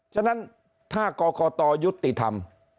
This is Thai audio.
ฉะนั้นถ้ากรกตยุติธรรม